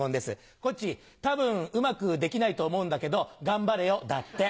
「こっちー多分うまくできないと思うんだけど頑張れよ」だって。